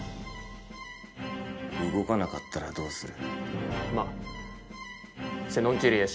「動かなかったらどうする」